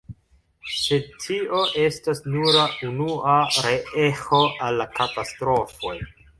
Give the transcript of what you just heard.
Sed tio estas nura unua reeĥo al la katastrofoj.